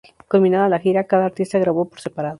Culminada la gira cada artista grabó por separado.